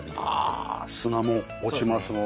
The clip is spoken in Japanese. あ砂も落ちますもんね。